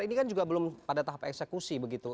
ini kan juga belum pada tahap eksekusi begitu